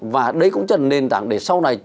và đấy cũng là nền tảng để sau này